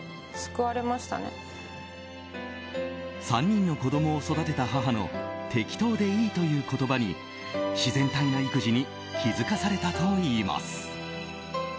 ３人の子供を育てた母の適当でいいという言葉に自然体な育児に気づかされたといいます。